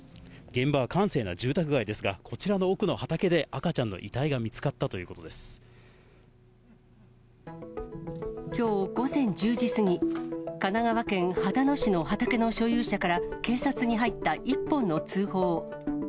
現場は閑静な住宅街ですが、こちらの奥の畑で、赤ちゃんの遺きょう午前１０時過ぎ、神奈川県秦野市の畑の所有者から警察に入った１本の通報。